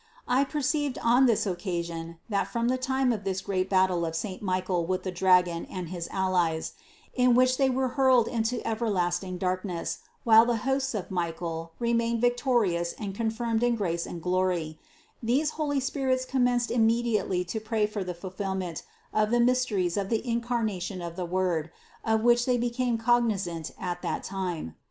I perceived on this occasion that from the time of that great battle of saint Michael with the dragon and 168 CITY OF GOD his allies, in which they were hurled into everlasting darkness while the hosts of Michael remained victorious and confirmed in grace and glory, these holy spirits com menced immediately to pray for the fulfillment of the mysteries of the Incarnation of the Word, of which they became cognizant at that time.